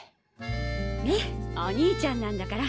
ねっお兄ちゃんなんだから。